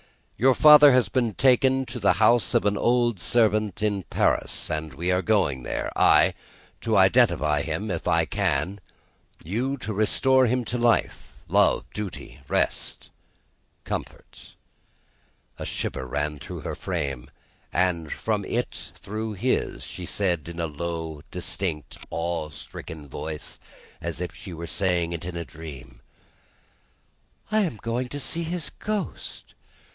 Your father has been taken to the house of an old servant in Paris, and we are going there: I, to identify him if I can: you, to restore him to life, love, duty, rest, comfort." A shiver ran through her frame, and from it through his. She said, in a low, distinct, awe stricken voice, as if she were saying it in a dream, "I am going to see his Ghost!